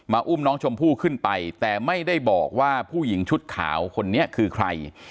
อุ้มน้องชมพู่ขึ้นไปแต่ไม่ได้บอกว่าผู้หญิงชุดขาวคนนี้คือใคร